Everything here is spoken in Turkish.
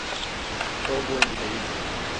Sorduğum bu değildi.